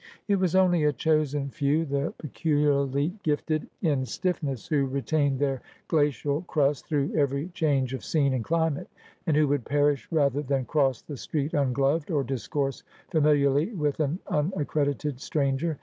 It was only a chosen few — the peculiarly gifted in stifEness — who retained their glacial crust through every change of scene and climate, and who would perish rather than cross the street ungloved, or discourse familiarly with an unaccredited stranger.